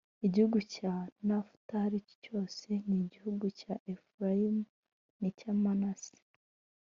igihugu cya Nafutali cyose n’igihugu cya Efurayimu n’icya Manase,